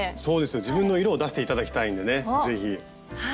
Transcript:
自分の色を出して頂きたいんでね是非。